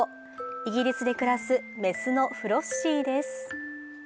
イギリスで暮らす雌のフロッシーです。